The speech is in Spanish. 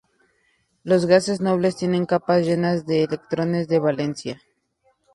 Los gases nobles tienen capas llenas de electrones de valencia.